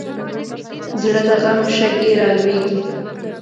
زړه د غم شګې رالوېږي.